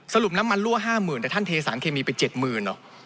น้ำมันรั่ว๕๐๐๐แต่ท่านเทสารเคมีไป๗๐๐เหรอ